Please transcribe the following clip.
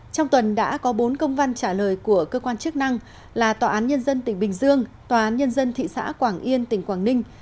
trong tuần đã có bốn công văn trả lời của cơ quan chức năng là tòa án nhân dân tỉnh bình dương tòa án nhân dân thị xã quảng yên tỉnh quảng ninh